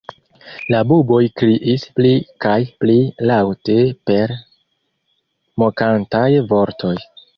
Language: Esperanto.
La buboj kriis pli kaj pli laŭte per mokantaj vortoj.